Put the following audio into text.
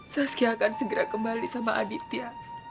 saskia akan segera kembali sama aditya